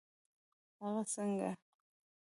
هغه څنګه؟